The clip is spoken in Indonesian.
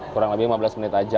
kurang lebih lima belas menit aja